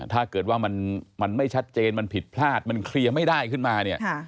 ถ้าเกิดว่ามันไม่ชัดเจนมันผิดพลาดมันเคลียร์ไม่ได้ขึ้นมาเนี่ย